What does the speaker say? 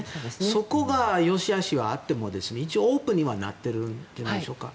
そこが良しあしはあっても一応、オープンにはなっているというんでしょうか。